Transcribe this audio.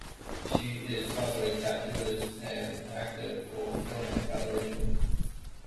She is also a tattooist and actor for film and television.